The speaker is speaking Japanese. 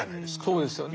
そうですよね。